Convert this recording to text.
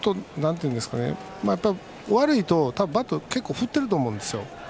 悪いとバットを結構振っていると思うんですよ。